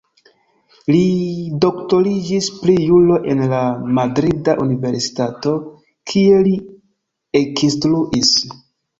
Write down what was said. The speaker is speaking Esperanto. Li doktoriĝis pri Juro en la madrida universitato, kie li ekinstruis.